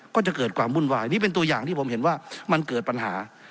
ก็จะเกิดความวุ่นวายนี่เป็นตัวอย่างที่ผมเห็นว่ามันเกิดปัญหา